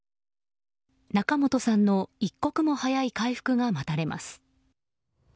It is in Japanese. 仲本さんの一刻も早い回復が待たれます。